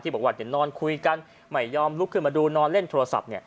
บอกว่านอนคุยกันไม่ยอมลุกขึ้นมาดูนอนเล่นโทรศัพท์